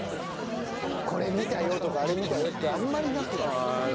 「これ見たよ」とか「あれ見たよ」ってあんまりなくない？